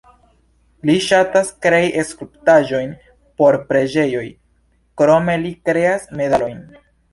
Li ŝatas krei skulptaĵojn por preĝejoj, krome li kreas medalojn.